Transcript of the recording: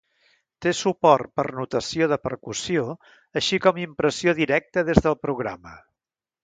Té suport per notació de percussió, així com impressió directa des del programa.